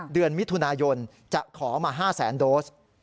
เดือนมิถุนายนจะขอมา๕แสนโดส